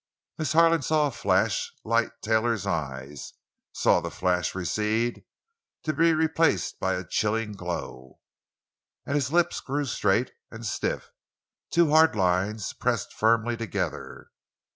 Miss Harlan saw a flash light Taylor's eyes; saw the flash recede, to be replaced by a chilling glow. And his lips grew straight and stiff—two hard lines pressed firmly together.